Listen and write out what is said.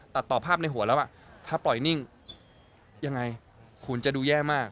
ตัดต่อภาพในหัวแล้วว่าถ้าปล่อยนิ่งยังไงขุนจะดูแย่มาก